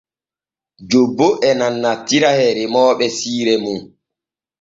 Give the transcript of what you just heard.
Jobbo e nanantira e remooɓe siire nun.